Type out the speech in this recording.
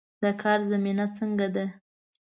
د کار زمینه څنګه ده؟